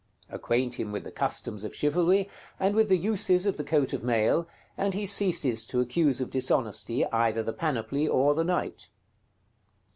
Acquaint him with the customs of chivalry, and with the uses of the coat of mail, and he ceases to accuse of dishonesty either the panoply or the knight.